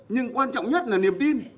nhưng quan trọng nhất là niềm tin